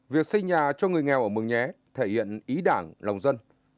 việc xây nhà cho người nghèo ở mường nhé thể hiện ý đảng lòng dân